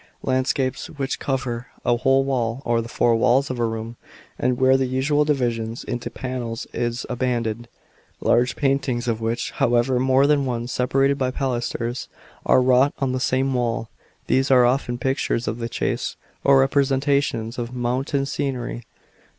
(\) Landscapes which cover a whole wall or the four walls of a room, and where the usual division into panels is abandoned. (2) Large paintings, of which, howev* r, more than one, separated by pilasters, are wrought on the same wall. These are often pictures of the chase,, or representations of mountain sceuery.